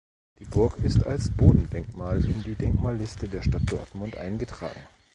Die Burg ist als Bodendenkmal in die Denkmalliste der Stadt Dortmund eingetragen.